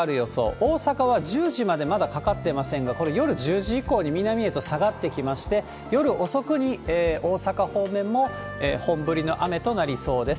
大阪は１０時までまだかかってませんが、これ、夜１０時以降に南へと下がってきまして、夜遅くに大阪方面も本降りの雨となりそうです。